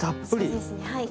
そうですねはい。